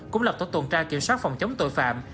cũng lập tổ tuần tra kiểm soát phòng chống tội phạm